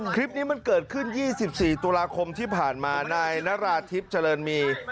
คลิปนี้มันเกิดขึ้น๒๔ตุลาคมที่ผ่านมานายนราธิบเจริญมี